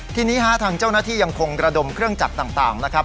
ทีนี้ฮะทางเจ้าหน้าที่ยังคงระดมเครื่องจักรต่างนะครับ